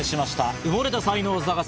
埋もれた才能探せ！